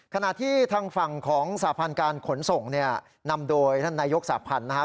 ขณะที่ทางฝั่งของสาธารณ์การขนส่งเนี่ยนำโดยนายกสาธารณ์นะฮะ